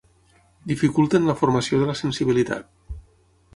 Dificulten la formació de la sensibilitat.